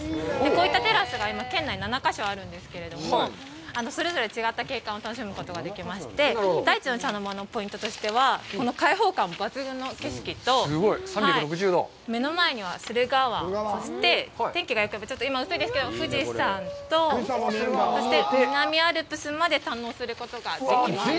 こういったテラスが、今、県内に７か所あるんですけれども、それぞれ違った景観を楽しむことができまして、大地の茶の間のポイントとしては、この開放感抜群の景色と目の前には駿河湾、そして、天気がよければ、今、薄いですけど、富士山と、そして、南アルプスまで堪能することができます。